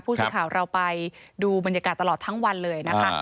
ผู้สื่อข่าวเราไปดูบรรยากาศตลอดทั้งวันเลยนะคะ